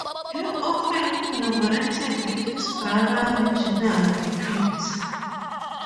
He often collaborated with his brother, Reginald Pitt.